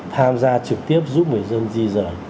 tham gia trực tiếp giúp người dân di rời